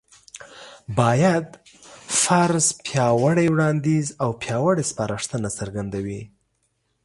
بايد: فرض، پياوړی وړانديځ او پياوړې سپارښتنه څرګندوي